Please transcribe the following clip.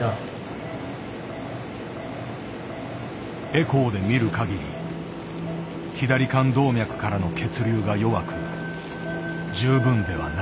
エコーで見る限り左肝動脈からの血流が弱く十分ではない。